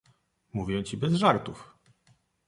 "Mówię ci bez żartów."